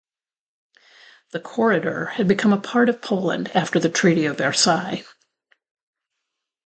The Corridor had become a part of Poland after the Treaty of Versailles.